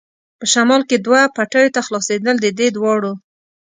په شمال کې وه پټیو ته خلاصېدل، د دې دواړو.